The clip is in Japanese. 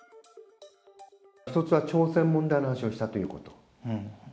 一つは朝鮮問題の話をしたということ。